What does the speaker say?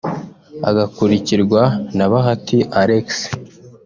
agakurikirwa na Bahati Alex